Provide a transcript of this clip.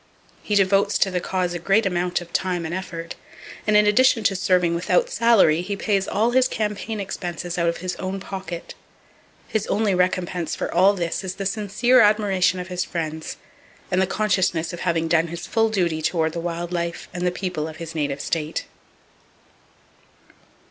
He devotes to the cause a great amount of time and effort, and in addition to serving without salary he pays all his campaign expenses out of his own pocket. His only recompense for all this is the sincere admiration of his friends, and the consciousness of having done his full duty toward the wild life and the people of his native state.